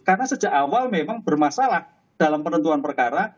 karena sejak awal memang bermasalah dalam penentuan perkara